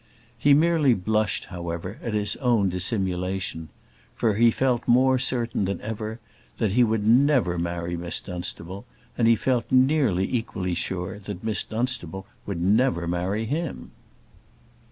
He merely blushed, however, at his own dissimulation; for he felt more certain that ever that he would never marry Miss Dunstable, and he felt nearly equally sure that Miss Dunstable would never marry him.